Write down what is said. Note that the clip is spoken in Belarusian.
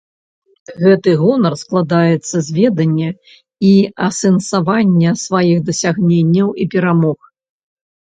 Гэты гонар складаецца з ведання і асэнсавання сваіх дасягненняў і перамог.